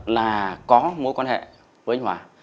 là có mối quan hệ với anh hòa